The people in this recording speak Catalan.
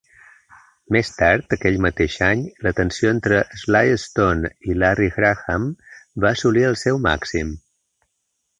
Més tard aquell mateix any, la tensió entre Sly Stone i Larry Graham va assolir el seu màxim.